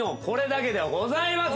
これだけではございません。